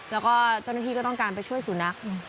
แล้วก็เจ้าหน้าที่ก็ต้องการไปช่วยสุนัข